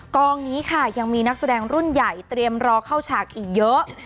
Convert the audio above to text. กองนี้ค่ะยังมีนักแสดงรุ่นใหญ่เตรียมรอเข้าฉากอีกเยอะ